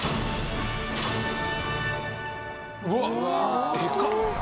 「うわあでかっ！」